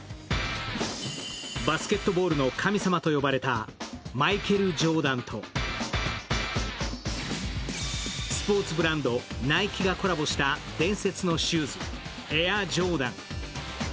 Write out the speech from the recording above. バスケットボールの神様と呼ばれたマイケル・ジョーダンとスポ−ツブランド、ナイキがコラボした伝説のシューズ、エア・ジョーダン。